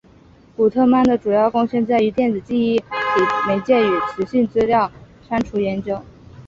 古特曼的主要贡献在于电子记忆体媒介与磁性资料删除研究。